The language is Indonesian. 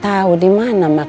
termasuk masjid sama makam